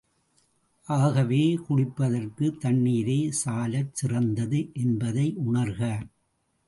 ஆகவே குளிப்பதற்குத் தண்ணிரே சாலச் சிறந்தது என்பதை உணர்க.